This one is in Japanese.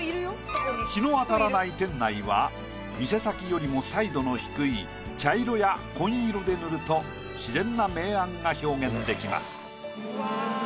日の当たらない店内は店先よりも彩度の低い茶色や紺色で塗ると自然な明暗が表現できます。